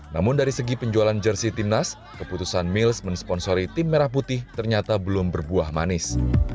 namun dari segi penjualan jersi timnas keputusan mils mensponsori tim merah putih ternyata belum berbuah manis